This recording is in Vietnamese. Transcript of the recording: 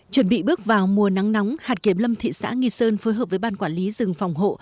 chuẩn bị bước vào mùa nắng nóng hạt kiếm lâm thị xã nghi sơn phối hợp với ban quản lý rừng phòng hộ